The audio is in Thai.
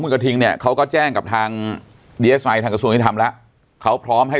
คุณกระทิงเนี้ยเขาก็แจ้งกับทางทางกระทรวงที่ทำแล้วเขาพร้อมให้